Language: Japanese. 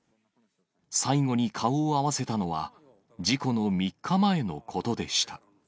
最後に顔を合わせたのは、事故の３日前のことでした。